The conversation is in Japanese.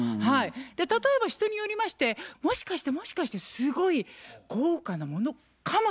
例えば人によりましてもしかしてもしかしてすごい豪華なものかもしれないということで。